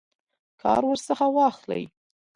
کار ورڅخه واخلي.